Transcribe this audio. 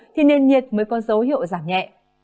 thì nền nhiệt mới có dấu hiệu giảm nhẹ